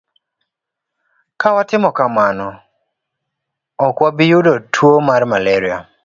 Ka watimo kamano, ok wabi yudo tuo mar malaria.